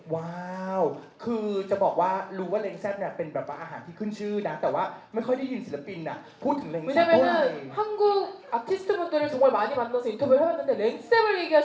ว้าวคือจะบอกว่าร้านเร็งแซ่บเป็นอาหารที่ขึ้นชื่อนะแต่ไม่ค่อยได้ยินศิลปินพูดถึงเร็งแซ่บตัวเลย